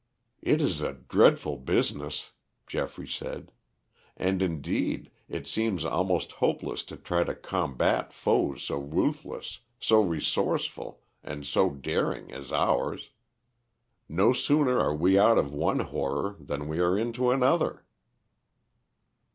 "It is a dreadful business," Geoffrey said. "And, indeed, it seems almost hopeless to try to combat foes so ruthless, so resourceful, and so daring as ours. No sooner are we out of one horror than we are into another."